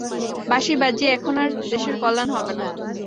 বাঁশী বাজিয়ে এখন আর দেশের কল্যাণ হবে না।